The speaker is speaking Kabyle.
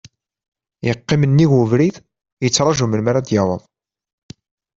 Yeqqim nnig ubrid yettraju melmi ara d-yaweḍ.